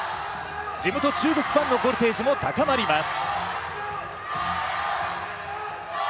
地元・中国ファンのボルテージも高まります。